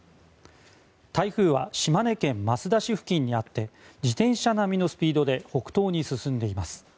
台風は島根県マスダ市付近にあって自転車並みのスピードで北東に進んでいます。